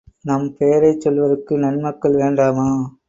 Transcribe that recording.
நம்பெயரைச் சொல்வதற்கு நன்மக்கள் வேண்டாமா?